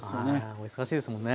お忙しいですもんね。